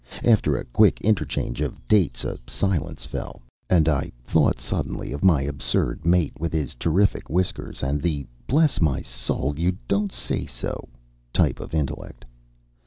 After a quick interchange of dates a silence fell; and I thought suddenly of my absurd mate with his terrific whiskers and the "Bless my soul you don't say so" type of intellect.